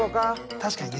確かにね。